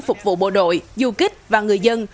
phục vụ bộ đội du kích và người dân